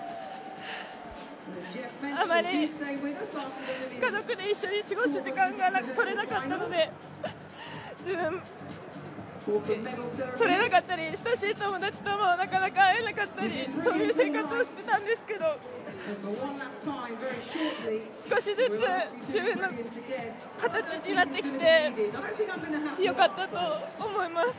あまり家族と一緒に過ごす時間がとれなかったりしたし親しい友達ともなかなか会えなかったり、そういう生活をしてたんですけど少しずつ自分の形になってきて、よかったと思います。